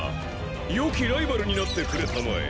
よきライバルになってくれたまえ。